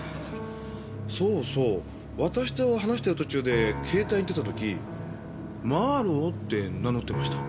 そうそう私と話してる途中で携帯に出た時マーロウって名乗ってました。